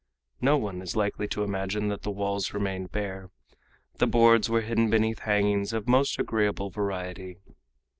No one is likely to imagine that the walls remained bare. The boards were hidden beneath hangings of most agreeable variety.